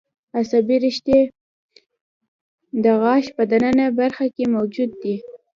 عصبي رشتې د غاښ په د ننه برخه کې موجود دي.